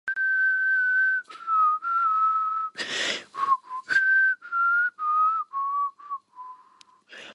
Some mammals, such as camels, polar bears, seals and aardvarks, have full nictitating membranes.